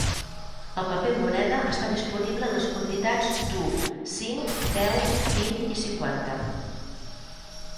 El paper moneda està disponible en les quantitats d'u, cinc, deu, vint i cinquanta.